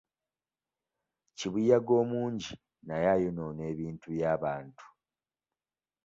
Kibuyaga omungi naye ayonoona ebintu bya bantu.